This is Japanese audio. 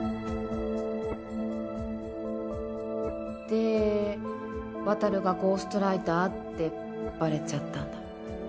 で渉がゴーストライターってバレちゃったんだ。